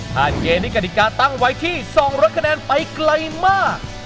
ถ้าเกมนี้กฎิกาตั้งไว้ที่๒๐๐คะแนนไปไกลมาก